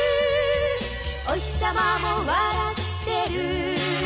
「おひさまも笑ってる」